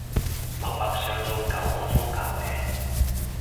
默默上到九號風球嘞